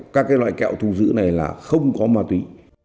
các loại kẹo thu giữ này là không có ma túy